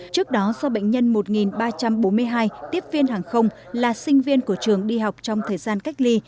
trước đó do bệnh nhân một ba trăm bốn mươi hai tiếp viên hàng không là sinh viên của trường đi học trong thời gian cách ly